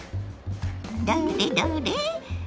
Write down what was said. どれどれ？